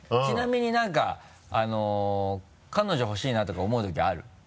ちなみに何か彼女欲しいなとか思うときある？